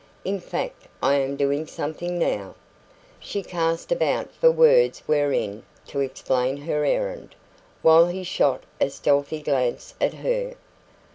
In fact, I am doing something now " She cast about for words wherein to explain her errand, while he shot a stealthy glance at her.